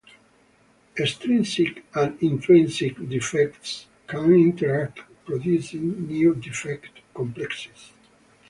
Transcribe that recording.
Extrinsic and intrinsic defects can interact producing new defect complexes.